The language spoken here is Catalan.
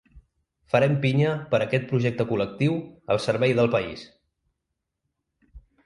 Farem pinya per a aquest projecte col·lectiu al servei del país!